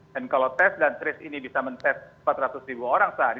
dan kalau tes dan tris ini bisa men test empat ratus ribu orang sehari